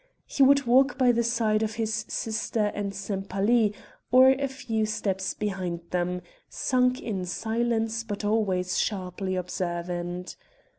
He would walk by the side of his sister and Sempaly, or a few steps behind them, sunk in silence but always sharply observant.